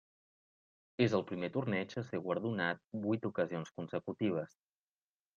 És el primer torneig a ser guardonat vuit ocasions consecutives.